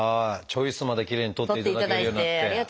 「チョイス」まできれいに撮っていただけるようになって。